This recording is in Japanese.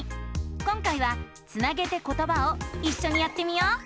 今回は「つなげてことば」をいっしょにやってみよう！